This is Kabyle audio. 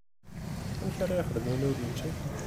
Amek ara yexdem win ur nečči?